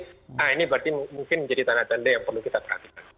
nah ini berarti mungkin menjadi tanda tanda yang perlu kita perhatikan